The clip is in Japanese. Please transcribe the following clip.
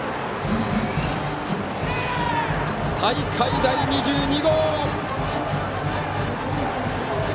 大会第２２号！